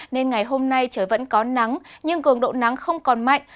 nên ngày hôm nay trời vẫn có nắng nhưng cường độ nắng không còn mạnh